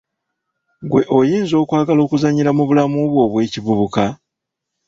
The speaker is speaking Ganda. Ggwe oyinza okwagala okuzannyira mu bulamu bwo obw'ekivubuka?